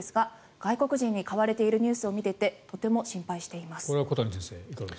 外国人に買われているニュースを見ていてとても心配しています。